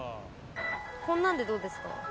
こんなんでどうですか？